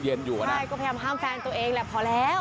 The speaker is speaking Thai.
ใช่ก็พยายามห้ามแฟนตัวเองแหละพอแล้ว